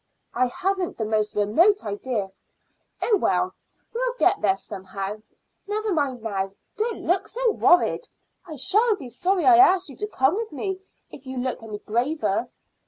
"I haven't the most remote idea." "Oh, well, we'll get there somehow. Never mind now; don't look so worried. I shall be sorry I asked you to come with me if you look any graver."